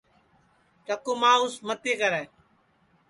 چکُو مانٚوس متی کرے